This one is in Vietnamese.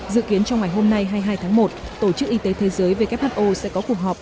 dự kiến trong ngày hôm nay hai mươi hai tháng một tổ chức y tế thế giới who sẽ có cuộc họp